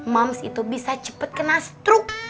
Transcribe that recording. mams itu bisa cepet kena struk